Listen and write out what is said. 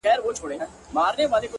د زړه ملا مي راته وايي دغه ـ